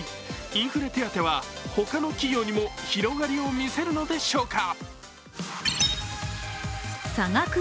インフレ手当は他の企業にも広がりを見せるのでしょうか。